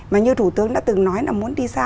mà như thủ tướng đã từng nói là muốn đi xa